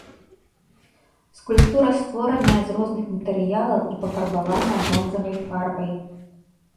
Скульптура створаная з розных матэрыялаў і пафарбаваная бронзавай фарбай.